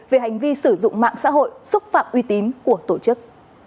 về hành vi sử dụng mạng xã hội xúc phạm uy tín của tổ chức